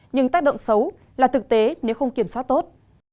nhưng tác động xấu là thực tế nếu không kiểm soát tốt